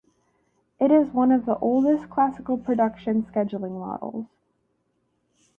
It is one of the oldest classical production scheduling models.